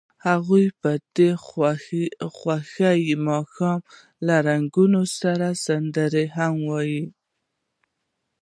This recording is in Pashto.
هغوی د خوښ ماښام له رنګونو سره سندرې هم ویلې.